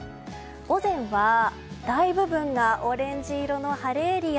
午前は大部分がオレンジ色の晴れエリア。